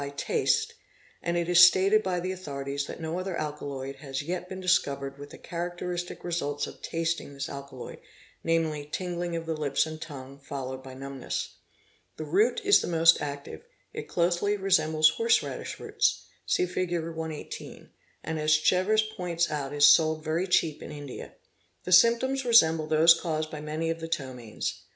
by taste, and it is stated by — the authorities that no other alkaloid has yet been discovered with the characteristic results of tasting this alkaloid namely, tingling of the lips and tongue followed by numbness. The root is the most active; it closely resembles horse radish root, see Fig. 118, and as Chevers points out is sold very cheap in India. The symptoms resemble those caused by many of the ptomaines.